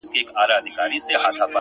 تا کي ډېر زړونه بندې دې رنتبورې!!